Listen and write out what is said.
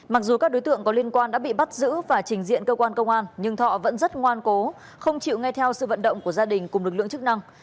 mặc dù các đối tượng có liên quan đã bị bắt giữ và trình diện cơ quan công an nhưng thọ vẫn rất ngoan cố không chịu ngay theo sự vận động của gia đình cùng lực lượng chức năng